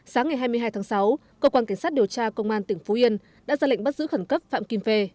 sáng ngày hai mươi hai tháng sáu cơ quan cảnh sát điều tra công an tỉnh phú yên đã ra lệnh bắt giữ khẩn cấp phạm kim phê